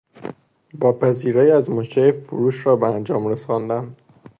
با پذیرایی از مشتری فروش را به انجام رساندن